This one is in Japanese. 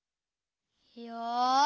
よし！